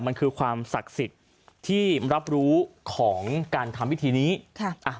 มันคือความศักดิ์สิทธิ์ที่รับรู้ของการทำพิธีนี้ค่ะอ่ะ